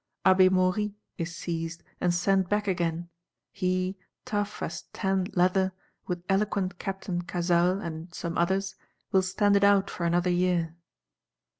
Abbé Maury is seized, and sent back again: he, tough as tanned leather, with eloquent Captain Cazalès and some others, will stand it out for another year.